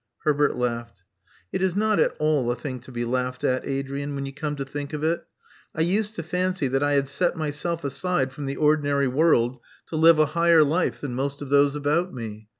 Herbert laughed. Love Among the Artists 107 It is not at all a thing to be laughed at, Adrian, when you come to think of it. I used to fancy that I had set myself aside from the ordinary world to live a higher life than most of those about me.